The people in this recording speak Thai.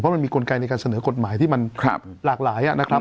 มันมีกลไกในการเสนอกฎหมายที่มันหลากหลายนะครับ